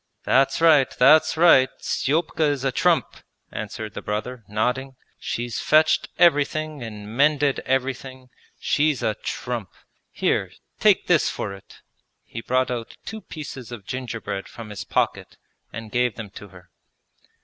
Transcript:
'That's right, that's right, Stepka is a trump!' answered the brother, nodding. 'She's fetched everything and mended everything, she's a trump! Here, take this for it!' He brought out two pieces of gingerbread from his pocket and gave them to her.